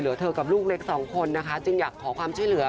เธอกับลูกเล็กสองคนนะคะจึงอยากขอความช่วยเหลือ